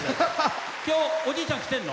きょう、おじいちゃん来てるの？